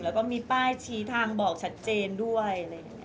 แล้วก็มีป้ายชี้ทางบอกชัดเจนด้วยอะไรอย่างนี้